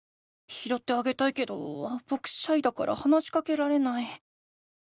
ひろってあげたいけどぼくシャイだから話しかけられない。